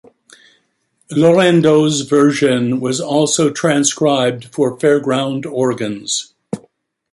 Laurendeau's version was also transcribed for fairground organs.